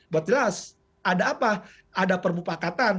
buat jelas ada apa ada permupakatan